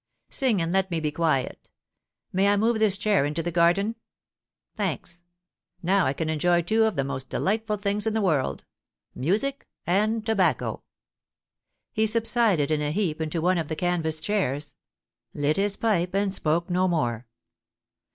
Sing, and let me be quiet. May I move this chair into the garden ? Thanks. Now I can enjoy two of the most delightful things in the world — music and tobacco.' He subsided in a heap into one of the canvas chairs, lit his pipe, and spoke no more.